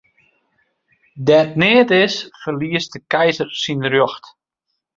Dêr't neat is, ferliest de keizer syn rjocht.